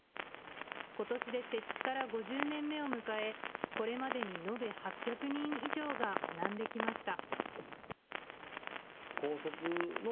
ことしで設置から５０年目を迎えこれまでに延べ８００人以上が学んできました。